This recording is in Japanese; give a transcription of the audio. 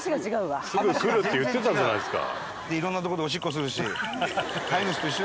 すぐ来るって言ってたじゃないですか。